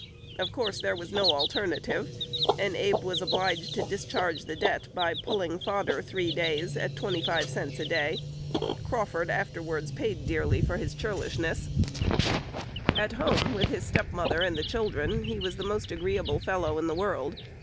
Of course, there was no alternative; and Abe was obliged to discharge the debt by "pulling fodder" three days, at twenty five cents a day. Crawford afterwards paid dearly for his churlishness. [Illustration: Mrs. Sarah Lincoln, Mother of the President. 061] At home, with his step mother and the children, he was the most agreeable fellow in the world.